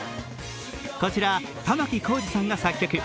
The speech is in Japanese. こちら、玉置浩二さんが作曲。